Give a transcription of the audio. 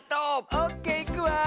オッケーいくわ。